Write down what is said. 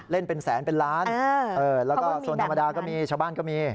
เล่นเป็นแสนเป็นล้านแล้วก็โซนธรรมดาก็มีชาวบ้านก็มี